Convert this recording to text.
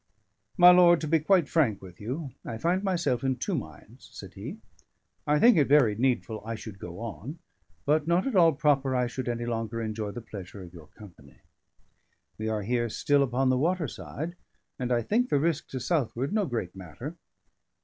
"My lord, to be quite frank with you, I find myself in two minds," said he. "I think it very needful I should go on, but not at all proper I should any longer enjoy the pleasure of your company. We are here still upon the water side; and I think the risk to southward no great matter.